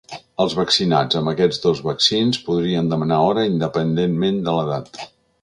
Els vaccinats amb aquests dos vaccins podien demanar hora independentment de l’edat.